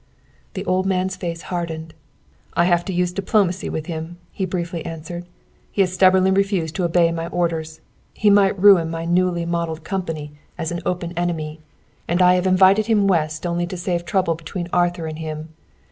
Then the old man's face hardened. "I have to use diplomacy with him," he briefly answered. "He has stubbornly refused to obey my orders. He might ruin my newly modelled company as an open enemy. And I have invited him West only to save trouble between Arthur and him.